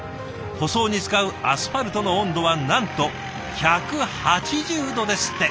舗装に使うアスファルトの温度はなんと１８０度ですって！